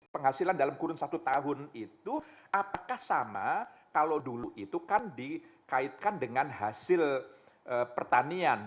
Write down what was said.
penghasilan dalam kurun satu tahun itu apakah sama kalau dulu itu kan dikaitkan dengan hasil pertanian